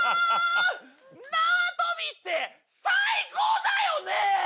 縄跳びって最高だよね！